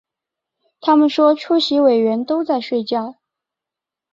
他们说出席委员都在睡觉